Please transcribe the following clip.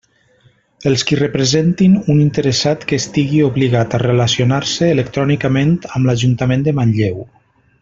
Els qui representin un interessat que estigui obligat a relacionar-se electrònicament amb l'Ajuntament de Manlleu.